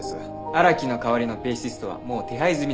荒木の代わりのベーシストはもう手配済みだそうで。